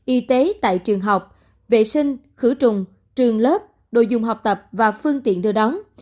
y tế tại trường học vệ sinh khử trùng trường lớp đồ dùng học tập và phương tiện đưa đón